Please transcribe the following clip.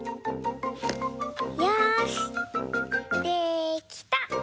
よしできた！